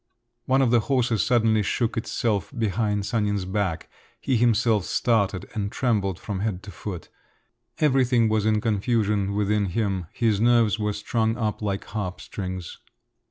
One of the horses suddenly shook itself behind Sanin's back; he himself started and trembled from head to foot. Everything was in confusion within him, his nerves were strung up like harpstrings.